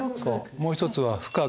もう一つは「深く」。